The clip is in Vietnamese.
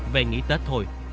về nghỉ tết thôi